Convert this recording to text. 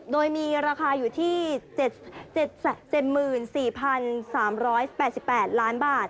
โดยมีราคาอยู่ที่๗๔๓๘๘ล้านบาท